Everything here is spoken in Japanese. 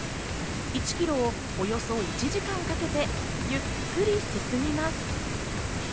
１キロをおよそ１時間かけてゆっくり進みます。